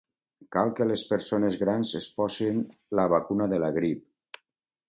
Cal que les persones grans es posin la vacuna de la grip.